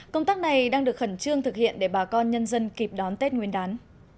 công tác này đang được khẩn trương thực hiện để bà con nhân dân kịp đón tết nguyên đán